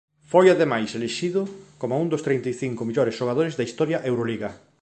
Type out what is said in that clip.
Foi ademais elixido como un dos trinta e cinco mellores xogadores da historia Euroliga.